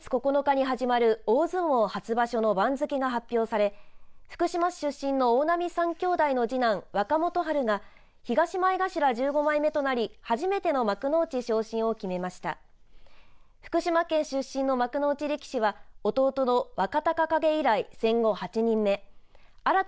来月９日に始まる大相撲初場所の番付が発表され福島市出身の大波３兄弟の次男、若元春が東前頭１５枚目となり初めての幕内昇進を決めました。